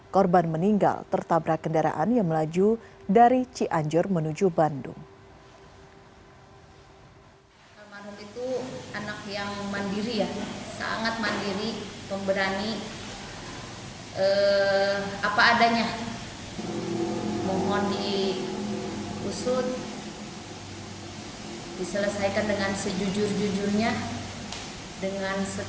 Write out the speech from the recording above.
korban meninggal tertabrak kendaraan yang melaju dari cianjur menuju bandung